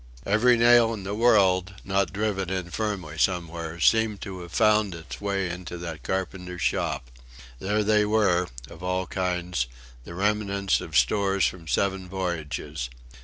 Every nail in the world, not driven in firmly somewhere, seemed to have found its way into that carpenter's shop. There they were, of all kinds, the remnants of stores from seven voyages.